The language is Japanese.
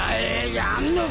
やんのかぁ！？